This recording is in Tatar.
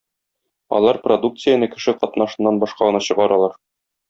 Алар продукцияне кеше катнашыннан башка гына чыгаралар!